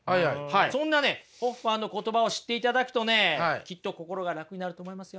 そんなねホッファーの言葉を知っていただくとねきっと心が楽になると思いますよ。